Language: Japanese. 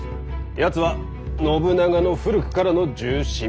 やつは信長の古くからの重臣。